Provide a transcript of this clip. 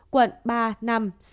quận ba năm sáu bảy tám một mươi hai